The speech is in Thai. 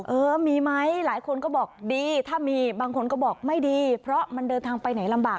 เออมีไหมหลายคนก็บอกดีถ้ามีบางคนก็บอกไม่ดีเพราะมันเดินทางไปไหนลำบาก